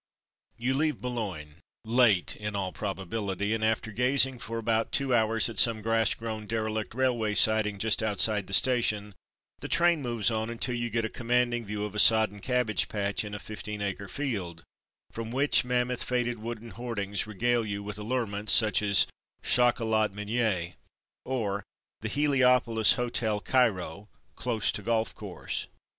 You leave Boulogne — late in all pro bability — and after gazing for about two hours at some grass grown derelict railway siding just outside the station, the train moves on until you get a commanding view of a sodden cabbage patch in a fifteen acre field, from which mammoth faded wooden hoardings regale you with allurements, such as: "Chocolat Menier'' or "The Heliopolis Hotel Cairo (close to golf course).''